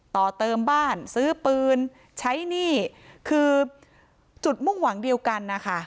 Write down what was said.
ต่อเติมบ้านซื้อปืนใช้หนี้คือจุดมุ่งหวังเดียวกันนะคะ